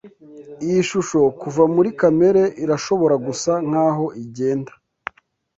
Iyi shusho kuva muri kamere irashobora gusa nkaho igenda